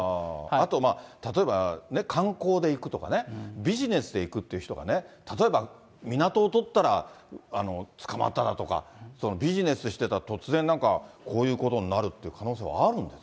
あと例えば観光で行くとかね、ビジネスで行くっていう人がね、例えば港を撮ったら捕まっただとか、ビジネスで行ったら突然こういったことになるっていう可能性はあ